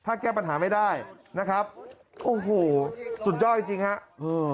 ถ้าแกปัญหาไม่ได้นะครับสุดยอดจริงครับ